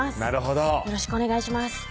なるほどよろしくお願いします